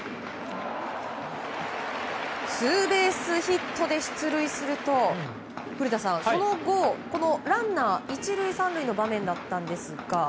ツーベースヒットで出塁すると古田さん、その後、ランナー１塁３塁の場面でしたが。